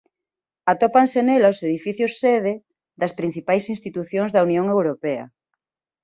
Atópanse nela os edificios sede das principais institucións da Unión Europea.